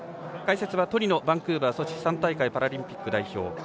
解説はトリノ、バンクーバーソチ３大会パラリンピック代表。